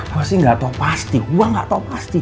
gue sih gak tau pasti gue gak tau pasti